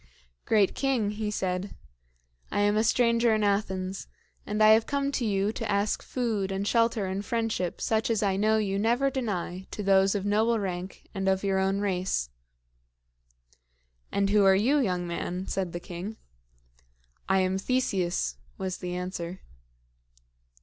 "Great king," he said, "I am a stranger in Athens, and I have come to you to ask food and shelter and friendship such as I know you never deny to those of noble rank and of your own race." "And who are you, young man?" said the king. "I am Theseus," was the answer.